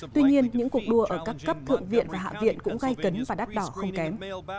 tuy nhiên những cuộc đua ở các cấp thượng viện và hạ viện cũng gây cấn và đắt đỏ không kém